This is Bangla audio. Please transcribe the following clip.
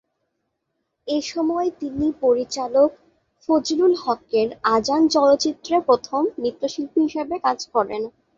এসময় তিনি পরিচালক ফজলুল হকের "আজান" চলচ্চিত্রে প্রথম নৃত্যশিল্পী হিসেবে কাজ করেন।